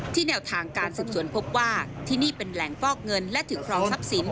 แนวทางการสืบสวนพบว่าที่นี่เป็นแหล่งฟอกเงินและถือครองทรัพย์สิน